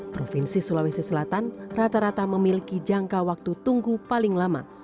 provinsi sulawesi selatan rata rata memiliki jangka waktu tunggu paling lama